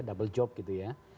double job gitu ya